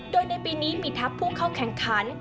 โดยในปีนี้มีทัพผู้เข้าแข่งขัน